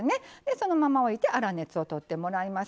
そのまま置いて粗熱をとってもらいます。